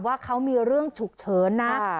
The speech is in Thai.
ว่าเขามีเรื่องฉุกเฉินนะ